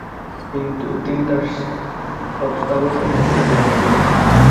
তিনি তার সব স্থাবর সম্পত্তি এতে দান করেন।